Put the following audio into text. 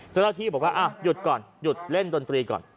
เจ้าหน้าที่บอกว่าหยุดก่อนหยุดเล่นดนตรีก่อน